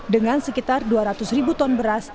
dengan sekitar dua ratus ribu ton beras